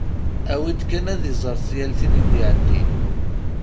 Awi-d kan ad iẓer yal tin i d-iɛeddin.